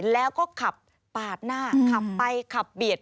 แล้วก็ขับปาดหน้าขับไปขับเบียด